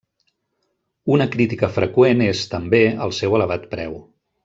Una crítica freqüent és, també, el seu elevat preu.